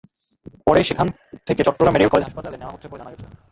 পরে সেখান থেকে চট্টগ্রাম মেডিকেল কলেজ হাসপাতালে নেওয়া হচ্ছে বলে জানা গেছে।